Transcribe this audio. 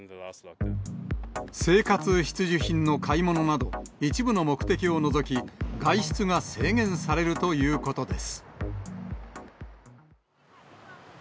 生活必需品の買い物など、一部の目的を除き、外出が制限されるということです。